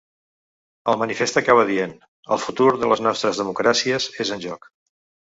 El manifest acaba dient: ‘El futur de les nostres democràcies és en joc.’